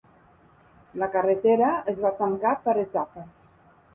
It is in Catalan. La carretera es va tancar per etapes.